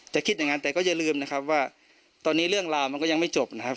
คิดอย่างนั้นแต่ก็อย่าลืมนะครับว่าตอนนี้เรื่องราวมันก็ยังไม่จบนะครับ